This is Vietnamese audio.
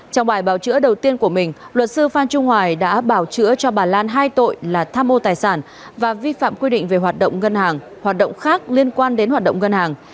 trong bài bảo chữa đầu tiên của mình luật sư phan trung hoài đã bảo chữa cho bà lan hai tội là tham ô tài sản và vi phạm quy định về hoạt động ngân hàng hoạt động khác liên quan đến hoạt động ngân hàng